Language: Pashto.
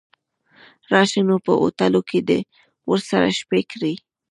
راشه نو په هوټلو کې دې ورسره شپې کړي.